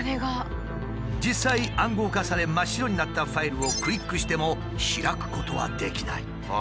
実際暗号化され真っ白になったファイルをクリックしても開くことはできない。